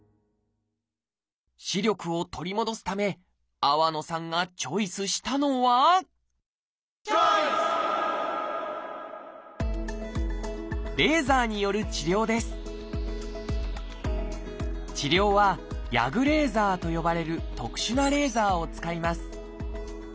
視力を取り戻すため粟野さんがチョイスしたのは治療は「ＹＡＧレーザー」と呼ばれる特殊なレーザーを使います。